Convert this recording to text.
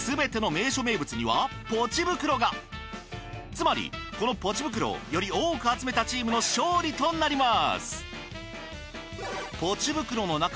つまりこのポチ袋をより多く集めたチームの勝利となります。